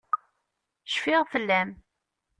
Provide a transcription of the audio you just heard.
Cfiɣ fell-am.